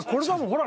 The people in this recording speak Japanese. ほら。